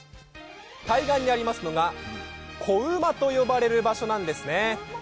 対岸にありますのが子馬と呼ばれる場所なんですね。